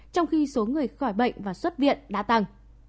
trong khi số người khỏi bệnh và xuất viện đã tăng